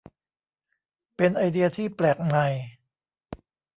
เป็นไอเดียที่แปลกใหม่